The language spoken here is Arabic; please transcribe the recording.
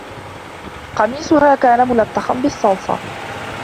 قميصها كان ملطخاً بالصلصة.